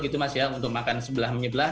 gitu mas ya untuk makan sebelah menyebelah